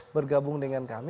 bergabung dengan kami